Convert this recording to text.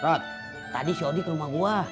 rat tadi sody ke rumah gua